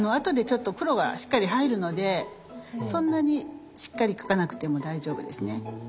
後でちょっと黒がしっかり入るのでそんなにしっかり描かなくても大丈夫ですね。